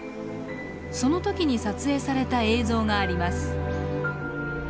その時に撮影された映像があります。